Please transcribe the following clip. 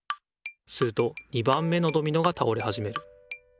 すると２番目のドミノが倒れはじめる。